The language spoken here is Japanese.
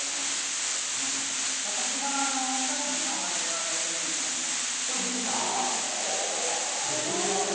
私が商品のモデルをやってるのもあります。